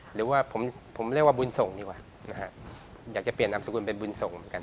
หรือว่าผมเรียกว่าบุญส่งดีกว่านะฮะอยากจะเปลี่ยนนามสกุลเป็นบุญส่งเหมือนกัน